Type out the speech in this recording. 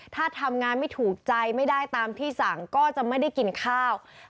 ถ้าทำงานไม่ถูกใจไม่ได้ตามที่สั่งก็จะไม่ได้กินข้าว